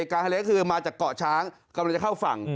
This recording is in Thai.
กลางทะเลคือมาจากเกาะช้างกำลังจะเข้าฝั่ง